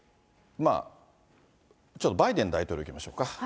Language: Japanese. ちょっとバイデン大統領いきましょうか。